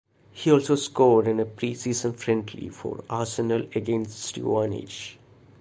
He also scored in a pre-season friendly for Arsenal against Stevenage.